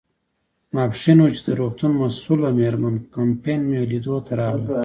ماپیښین و، چې د روغتون مسؤله مېرمن کمپن مې لیدو ته راغلل.